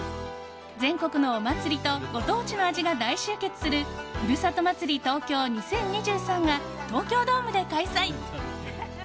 全国のお祭りとご当地の味が大集結する「ふるさと祭り東京２０２３」が東京ドームで開催。